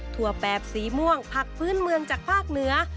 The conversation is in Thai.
ถั่วแบบสีม่วงผักพื้นเมืองจากภาคเหนือ